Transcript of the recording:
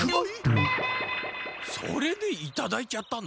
それでいただいちゃったの？